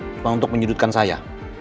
cuma untuk menyudutkan saya